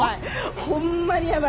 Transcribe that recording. ほんまにヤバい。